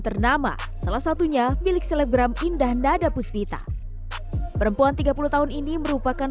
ternama salah satunya milik selebgram indah nada puspita perempuan tiga puluh tahun ini merupakan